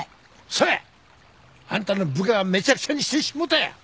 そうや！あんたの部下がめちゃくちゃにしてしもうたんや！